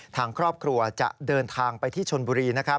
ทางครอบครัวจะเดินทางไปที่ชนบุรีนะครับ